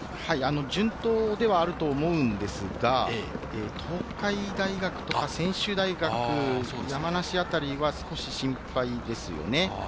順当ではあると思うんですが、東海大学とか専修大学、山梨あたりは少し心配ですよね。